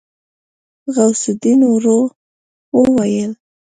غوث الدين ورو وويل.